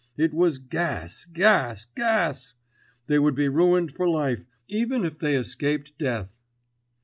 It was Gas! Gas!! Gas!!! They would be ruined for life, even if they escaped death.